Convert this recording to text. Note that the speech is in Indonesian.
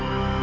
ya makasih ya